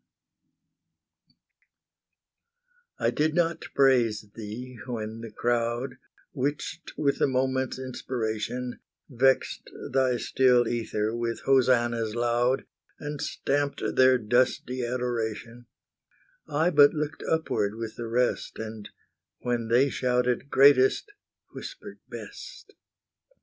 1848. I did not praise thee when the crowd, 'Witched with the moment's inspiration, Vexed thy still ether with hosannas loud, And stamped their dusty adoration; I but looked upward with the rest, And, when they shouted Greatest, whispered Best.